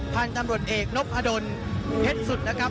พันธุ์ตำรวจเอกนพดลเพชรสุดนะครับ